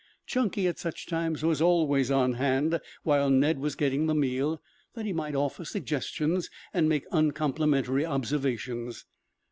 Chunky at such times was always on hand while Ned was getting the meal, that he might offer suggestions and make uncomplimentary observations.